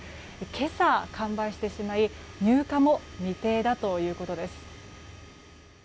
今朝完売してしまい入荷も未定だということです。